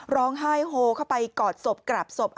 ร้องไห้โฮเข้าไปกอดศพกราบศพ